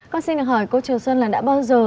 con xin hỏi cô trường sơn là đã bao giờ